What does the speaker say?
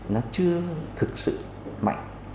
nó chưa thực sự mạnh